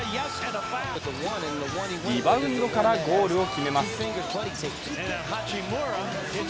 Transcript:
リバウンドからゴールを決めます。